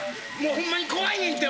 ホンマに怖いねんって！